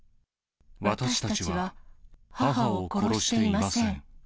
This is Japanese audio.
私たちは母を殺していません。